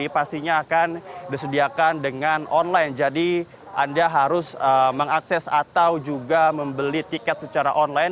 dan saya akan sedikit membicarakan tentang cuaca cuaca ini